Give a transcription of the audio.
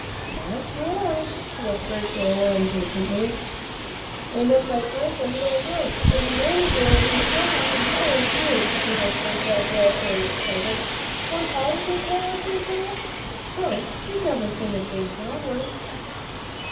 "Yes yes," whispered Joel, impatiently. "An' if I plant 'em, they'll grow, and then Mamsie'll be glad, an' Polly too," he whispered, dreadfully excited. "Won't Polly be glad though, Joe? She's never seen a green flower."